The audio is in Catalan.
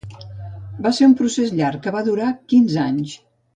Va ser un procés llarg que va durar quinze anys.